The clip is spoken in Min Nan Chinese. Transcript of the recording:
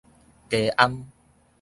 雞掩